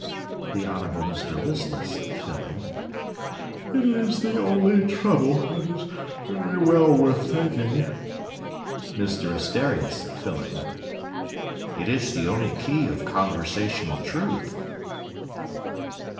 THE HONOURABLE MR LISTLESS (filling) It is the only trouble that is very well worth taking. MR ASTERIAS (filling) It is the only key of conversational truth.